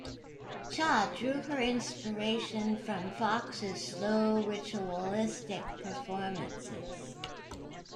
Cha drew her inspiration from Fox's slow, ritualistic performances.